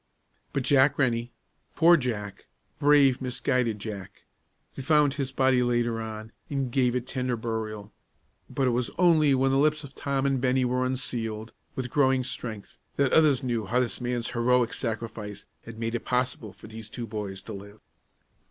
But Jack Rennie, poor Jack, brave, misguided Jack! They found his body later on, and gave it tender burial. But it was only when the lips of Tom and Bennie were unsealed, with growing strength, that others knew how this man's heroic sacrifice had made it possible for these two boys to live.